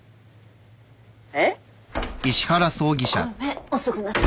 えっ？ごめん遅くなって。